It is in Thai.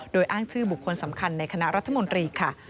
โดยอ้างชื่อบุคคลสำคัญในคณะรัฐมนตรีค่ะ